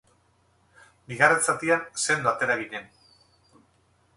Bigarren zatian, sendo atera ginen.